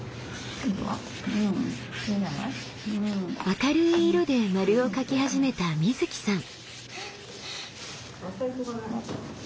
明るい色で丸を描き始めたみずきさん。